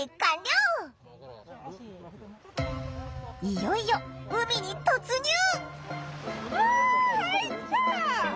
いよいよ海に突入！